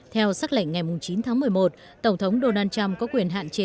theo xác lệnh ngày chín tháng một mươi một tổng thống donald trump có quyền hạn chế